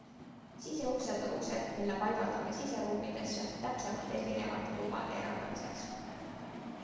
Siseuksed on uksed, mille paigaldame siseruumidesse, täpsemalt erinevate tubade eraldamiseks.